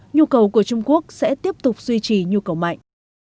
nhu cầu của trung quốc sẽ tiếp tục duy trì nhu cầu mạnh